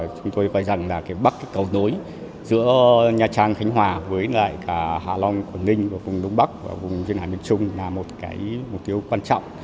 chúng tôi coi rằng bắc cầu nối giữa nha trang khánh hòa với lại cả hạ long quảng ninh vùng đông bắc và vùng dân hải miền trung là một mục tiêu quan trọng